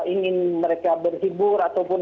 ingin mereka berhibur ataupun